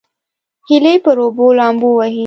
هیلۍ پر اوبو لامبو وهي